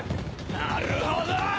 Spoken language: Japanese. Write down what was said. なるほど！